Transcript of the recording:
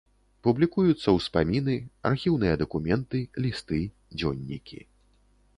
Публікуюцца ўспаміны, архіўныя дакументы, лісты, дзённікі.